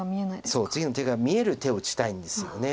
そう次の手が見える手を打ちたいんですよね。